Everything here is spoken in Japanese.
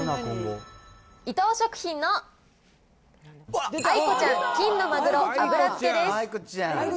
伊藤食品のあいこちゃん金のまぐろ油漬です。